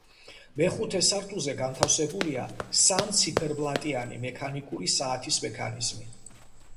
მეხუთე სართულზე განთავსებულია სამ ციფერბლატიანი მექანიკური საათის მექანიზმი.